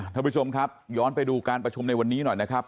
ท่านผู้ชมครับย้อนไปดูการประชุมในวันนี้หน่อยนะครับ